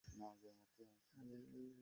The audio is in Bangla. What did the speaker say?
এই প্রথমবার তোকে আমি ক্ষমা করে দিচ্ছি।